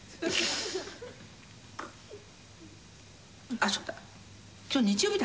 あっそうだ。